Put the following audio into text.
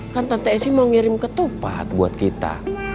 kan tante esi mau ngirim ketupat buat kita